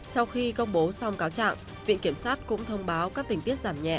sau khi công bố xong cáo trạng viện kiểm sát cũng thông báo các tình tiết giảm nhẹ